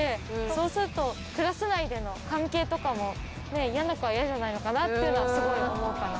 そうするとクラス内での関係とかも嫌な子は嫌じゃないのかなっていうのはすごい思うかな。